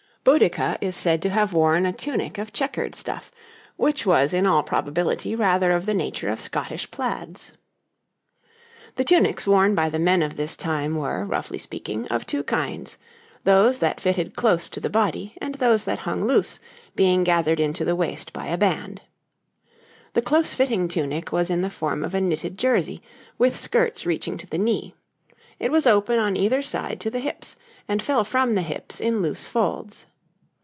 Boadicea is said to have worn a tunic of chequered stuff, which was in all probability rather of the nature of Scotch plaids. The tunics worn by the men of this time were, roughly speaking, of two kinds: those that fitted close to the body, and those that hung loose, being gathered into the waist by a band. The close fitting tunic was in the form of a knitted jersey, with skirts reaching to the knee; it was open on either side to the hips, and fell from the hips in loose folds.